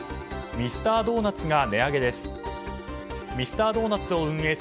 ミスタードーナツが値上げです。